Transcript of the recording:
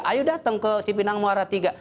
ayo datang ke cipinang muara iii